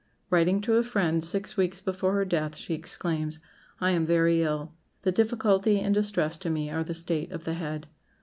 Writing to a friend six weeks before her death, she exclaims: "I am very ill.... the difficulty and distress to me are the state of the head.